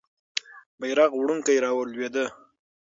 بیرغ وړونکی رالوېده.